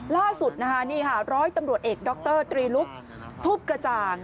ล่าสุดนี่ค่ะร้อยตำรวจเอกด๊อคเตอร์ตรีลุกทูปกระจ่าง